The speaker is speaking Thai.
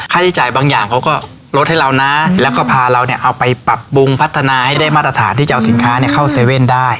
ที่จ่ายบางอย่างเขาก็ลดให้เรานะแล้วก็พาเราเนี่ยเอาไปปรับปรุงพัฒนาให้ได้มาตรฐานที่จะเอาสินค้าเนี่ยเข้าเว่นได้